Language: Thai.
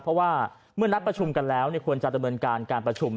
เพราะว่าเมื่อนัดประชุมกันแล้วควรจะดำเนินการการประชุม